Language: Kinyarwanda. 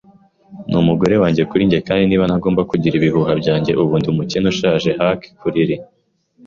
n'umugore wanjye, kuri njye; kandi niba ntagomba kugira ibihuha byanjye ubu ndi umukene ushaje hulk kuri lee